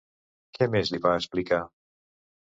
Què més li va explicar?